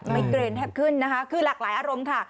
ไม่เกรนแทบขึ้นนะคะคือหลากหลายอารมณ์ค่ะ